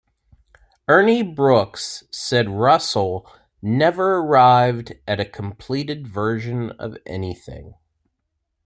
Ernie Brooks said Russell never arrived at a completed version of anything.